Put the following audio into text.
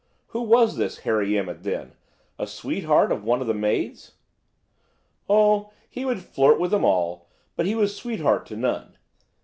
"Who was this Harry Emmett then–a sweetheart of one of the maids?" "Oh, he would flirt with them all, but he was sweetheart to none.